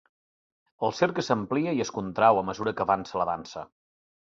El cercle s'amplia i es contrau a mesura que avança la dansa.